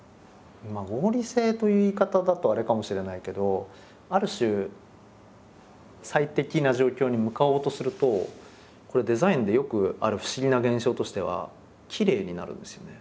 合理性という言い方だとあれかもしれないけどある種最適な状況に向かおうとするとこれデザインでよくある不思議な現象としてはきれいになるんですよね